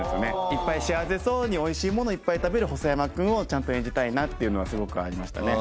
いっぱい幸せそうに美味しいものをいっぱい食べる細山くんをちゃんと演じたいなっていうのはすごくありましたね。